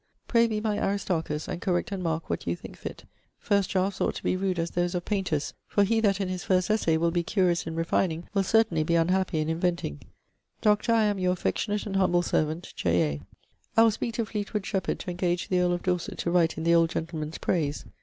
Pray be my Aristarchus, and correct and marke what you thinke fitt. First draughts ought to be rude as those of paynters, for he that in his first essay will be curious in refining will certainly be unhappy in inventing. Doctor, I am your affectionate and humble servant. J. A. I will speake to Fleetwood Shepherd to engage the earl of Dorset to write in the old gentleman's praise.